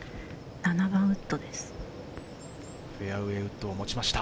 ７番ウッドです。